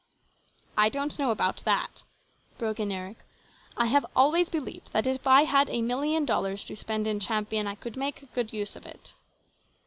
" I don't know about that," broke in Eric. " I have always believed if I had a million dollars to spend in Champion, I could make good use of it."